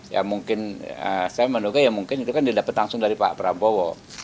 ya mungkin saya menduga ya mungkin itu kan didapat langsung dari pak prabowo